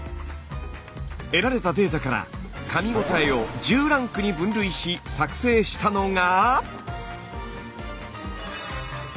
得られたデータからかみごたえを１０ランクに分類し作成したのが。